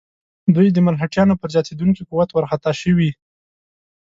دوی د مرهټیانو پر زیاتېدونکي قوت وارخطا شوي.